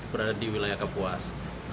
berada di wilayah kapuas